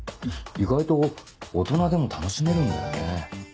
意外と大人でも楽しめるんだよね。